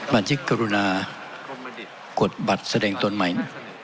บัตรจิกรุณากดบัตรแสดงตนใหม่